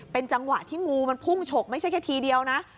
เป็นจังหวะที่งูมันพุ่งฉกไม่ใช่แค่ทีเดียวนะ